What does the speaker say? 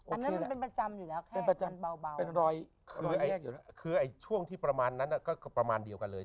อันนั้นเหล่ามันเป็นประจำอยู่แล้วแค่มันเบาหรือเป็นรอยคือไอ้ช่วงที่ประมาณนั้นน่ะก็เพียงประมาณเดียวกันเลย